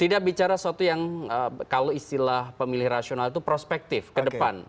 tidak bicara suatu yang kalau istilah pemilih rasional itu prospektif ke depan